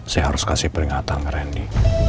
saya harus kasih peringatan ke rian di